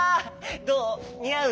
どう？にあう？